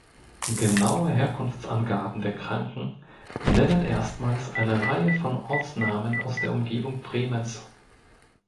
Genaue Herkunftsangaben der Kranken nennen erstmals eine Reihe von Ortsnamen aus der Umgebung Bremens.